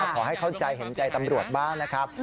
ขอให้เข้าใจเห็นใจตำรวจบ้างนะครับ